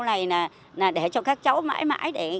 chủ nghĩa sau này để cho các cháu mãi mãi để sự bảo tồn của làng